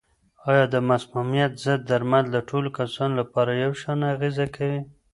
آیا د مسمومیت ضد درمل د ټولو کسانو لپاره یو شان اغېزه کوي؟